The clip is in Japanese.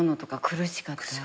苦しかった。